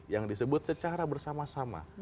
yang disebut secara bersama sama